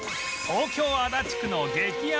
東京足立区の激安